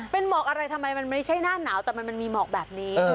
เป็นหมอกอะไรทำไมมันไม่ใช่หน้าหนาวแต่มันมีหมอกแบบนี้